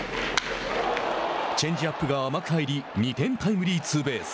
チェンジアップが甘く入り２点タイムリーツーベース。